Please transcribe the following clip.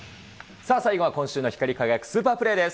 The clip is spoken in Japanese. さあ、最後は今週の光輝くスーパープレーです。